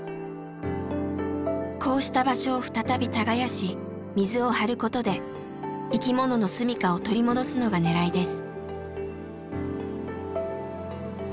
こうした場所を再び耕し水を張ることで生きもののすみかを取り戻すのがねらいです。